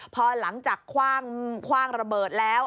พอหลังจากคว่างระเบิดแล้ว